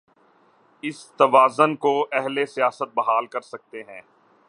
اس توازن کو اہل سیاست بحال کر سکتے ہیں۔